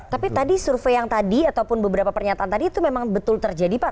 tapi tadi survei yang tadi ataupun beberapa pernyataan tadi itu memang betul terjadi pak